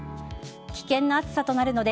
危険な暑さとなるので